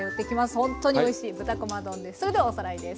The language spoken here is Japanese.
ほんっとにおいしい豚こま丼です。